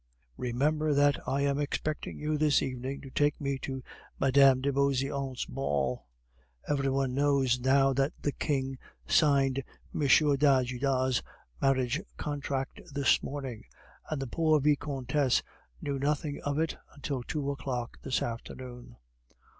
Remember that I am expecting you this evening to take me to Mme. de Beauseant's ball. Every one knows now that the King signed M. d'Ajuda's marriage contract this morning, and the poor Vicomtesse knew nothing of it until two o'clock this afternoon.